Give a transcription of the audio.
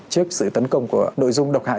trước sự tấn công của nội dung độc hại